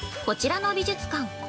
こちらの美術館。